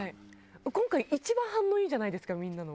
今回一番反応いいじゃないですかみんなの。